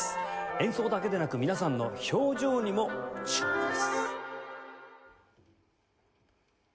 演奏だけでなく皆さんの表情にも注目です。